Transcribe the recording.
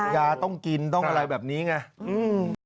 ยาต้องกินต้องอะไรแบบนี้ไง